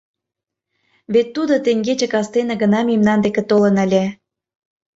Вет тудо теҥгече кастене гына мемнан деке толын ыле.